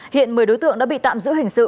hiện một mươi đối tượng đã bị tạm giữ hình sự